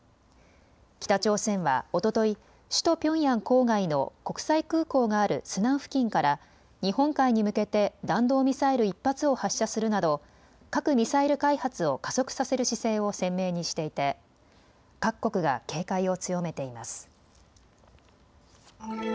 北朝鮮はおととい、首都ピョンヤン郊外の国際空港があるスナン付近から日本海に向けて弾道ミサイル１発を発射するなど核・ミサイル開発を加速させる姿勢を鮮明にしていて各国が警戒を強めています。